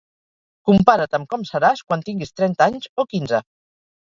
Compara't amb com seràs quan tinguis trenta anys, o quinze.